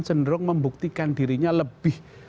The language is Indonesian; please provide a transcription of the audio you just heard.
cenderung membuktikan dirinya lebih